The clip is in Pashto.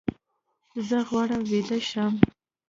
زه غواړم ویده شم